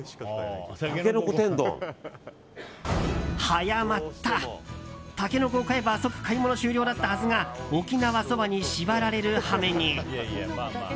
早まった、タケノコを買えば即買い物終了だったはずが沖縄そばに縛られる羽目に。